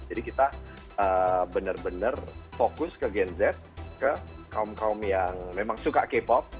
jadi kita bener bener fokus ke gen z ke kaum kaum yang memang suka k pop